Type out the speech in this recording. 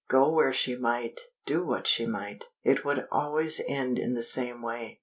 Go where she might, do what she might, it would always end in the same way.